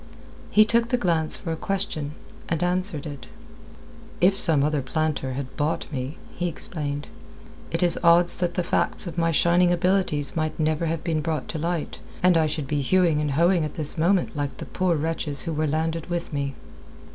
He took the glance for a question, and answered it. "If some other planter had bought me," he explained, "it is odds that the facts of my shining abilities might never have been brought to light, and I should be hewing and hoeing at this moment like the poor wretches who were landed with me."